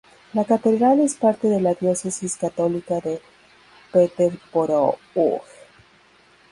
La catedral es parte de la diócesis católica de Peterborough.